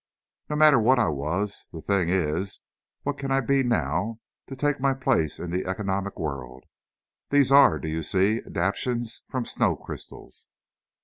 "No matter what I was, the thing is what can I be now, to take my place in the economic world. These are, do you see, adaptations from snow crystals."